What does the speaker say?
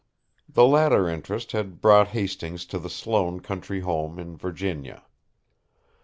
The latter interest had brought Hastings to the Sloane country home in Virginia.